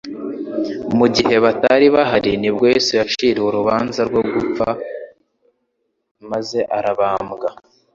Mu gihe batari bahari nibwo Yesu yaciriwe urubanza rwo gupfa, maze arabambwa.